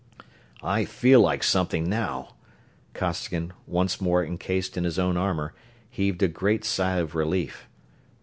"I feel like something now!" Costigan, once more encased in his own armor, heaved a great sigh of relief.